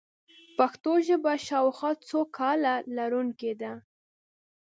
پښتو ژبه شاوخوا څو کاله لرونکې ده.